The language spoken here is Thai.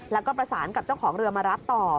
แล้วก็ประสานกับเจ้าของเรือมารับต่อ